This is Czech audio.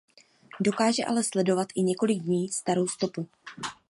Dokáže ale sledovat i několik dní starou stopu.